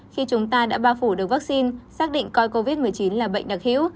khi chúng ta đã bao phủ được vaccine xác định coi covid một mươi chín là bệnh đặc hữu